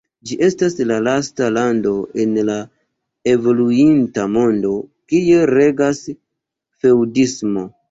Ĝi estas la lasta lando en la evoluinta mondo, kie regas feŭdismo.